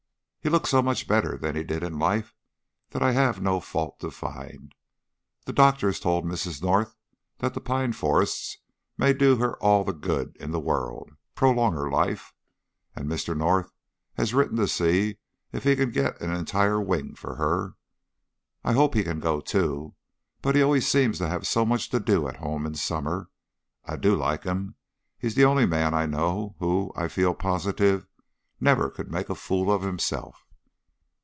"He looks so much better than he did in life that I have no fault to find. The doctor has told Mrs. North that the pine forests may do her all the good in the world, prolong her life, and Mr. North has written to see if he can get an entire wing for her. I hope he can go too, but he always seems to have so much to do at home in summer. I do like him. He's the only man I know who, I feel positive, never could make a fool of himself."